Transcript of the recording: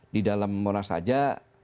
di dalam monas saja